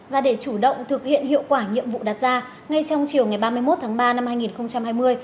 và để chủ động thực hiện hiệu quả nhiệm vụ đặt ra ngay trong chiều ngày ba mươi một tháng ba năm hai nghìn hai mươi